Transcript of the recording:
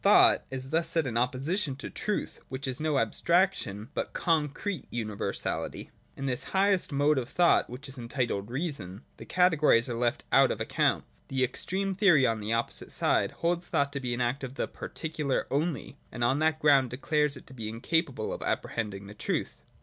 Thought is thus set in opposition to Truth, which is no abstrac tion, but concrete universality. In this highest mode of thought, which is entitled Reason, the Categories are left out of account. — The extreme theory on the oppo site side holds thought to be an act of the particular only, and on that ground declares it incapable of appre hending the Truth.